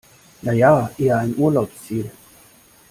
Na ja, eher ein Urlaubsziel.